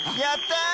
やった！